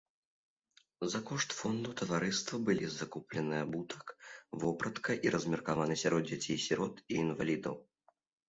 За кошт фонду таварыства былі закуплены абутак, вопратка і размеркаваны сярод дзяцей-сірот і інвалідаў.